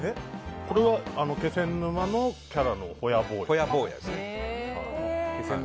これは気仙沼のキャラのホヤぼーやです。